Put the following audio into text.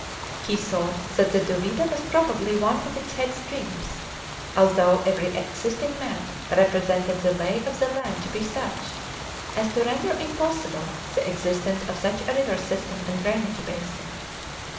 He thought that the Duvida was probably one of its head streams although every existing map represented the lay of the land to be such as to render impossible the existence of such a river system and drainage basin.